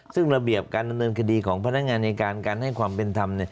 ซึ่งระเบียบการดำเนินคดีของพนักงานในการการให้ความเป็นธรรม